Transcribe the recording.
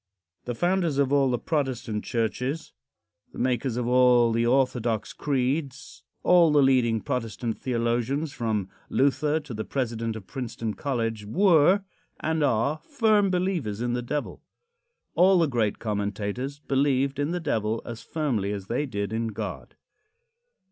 The founders of all the Protestant churches the makers of all the orthodox creeds all the leading Protestant theologians, from Luther to the president of Princeton College were, and are, firm believers in the Devil. All the great commentators believed in the Devil as firmly as they did in God.